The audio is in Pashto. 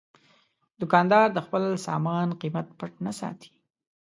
دوکاندار د خپل سامان قیمت پټ نه ساتي.